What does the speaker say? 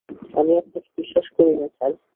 আমি আপনাকে বিশ্বাস করি না, স্যার।